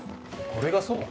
これがそば。